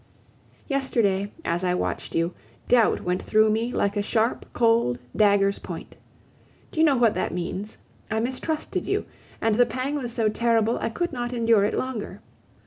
Yesterday, as I watched you, doubt went through me like a sharp, cold dagger's point. Do you know what that means? I mistrusted you, and the pang was so terrible, I could not endure it longer.